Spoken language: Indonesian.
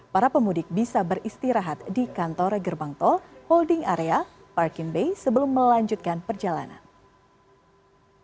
para pemudik bisa beristirahat di kantor gerbang tol holding area parking bay sebelum melanjutkan perjalanan